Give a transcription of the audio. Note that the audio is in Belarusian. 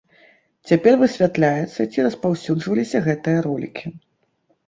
Цяпер высвятляецца, ці распаўсюджваліся гэтыя ролікі.